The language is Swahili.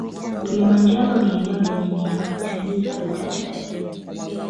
kilimanjaro ni eneo lenye neema ya utalii hapa tanzania